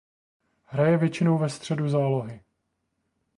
Hraje většinou ve středu zálohy.